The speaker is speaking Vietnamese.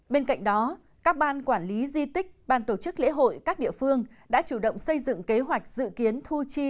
bên cạnh đó các ban quản lý di tích ban tổ chức lễ hội các địa phương đã chủ động xây dựng kế hoạch dự kiến thu chi